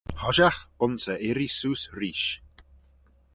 Hoshiaght, ayns e irree seose reesht.